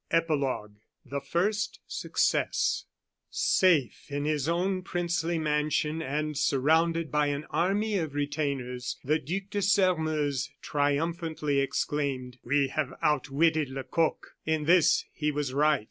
EPILOGUE THE FIRST SUCCESS Safe, in his own princely mansion, and surrounded by an army of retainers, the Duc de Sairmeuse triumphantly exclaimed: "We have outwitted Lecoq." In this he was right.